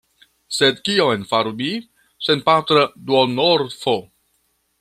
Sed kion faru mi, senpatra duonorfo?